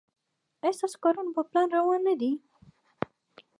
ایا ستاسو کارونه په پلان روان نه دي؟